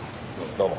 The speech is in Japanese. どうも。